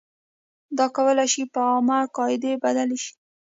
دا کولای شي په عامې قاعدې بدل شي.